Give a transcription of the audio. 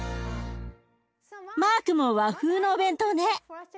マークも和風のお弁当ね。